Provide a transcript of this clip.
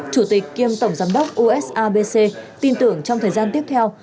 chủ tịch kiêm tổng giám đốc usabc tin tưởng trong thời gian tiếp theo